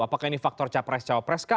apakah ini faktor capres capres kak